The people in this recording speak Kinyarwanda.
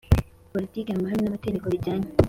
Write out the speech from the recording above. politiki amahame n amategeko bijyanye